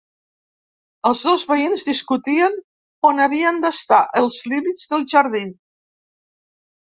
Els dos veïns discutien on havien d'estar els límits del jardí.